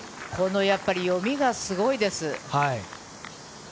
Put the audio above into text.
読みがすごいです。